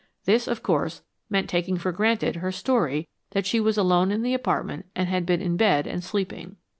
This, of course, meant taking for granted her story that she was alone in the apartment and had been in bed and sleeping.